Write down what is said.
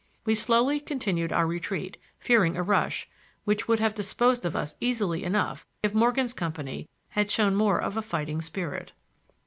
We slowly continued our retreat, fearing a rush, which would have disposed of us easily enough if Morgan's company had shown more of a fighting spirit.